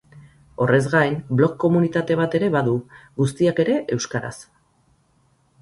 Horrez gain, blog komunitate bat ere badu, guztiak ere euskaraz.